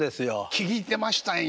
聴いてましたんや。